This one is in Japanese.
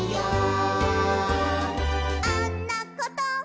「あんなこと」